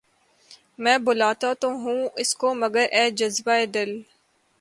میں بلاتا تو ہوں اس کو مگر اے جذبہ ِ دل